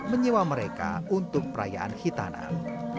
menyewa mereka untuk perayaan hitanan